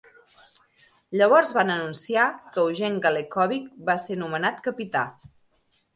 Llavors van anunciar que Eugene Galekovic va ser nomenat capità.